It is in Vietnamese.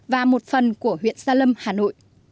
và một phần của huyện sa lâm hà nội